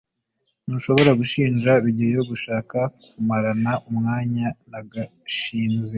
ntushobora gushinja rugeyo gushaka kumarana umwanya na gashinzi